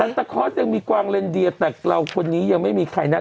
ตะคอสยังมีกวางเลนเดียแต่เราคนนี้ยังไม่มีใครนะ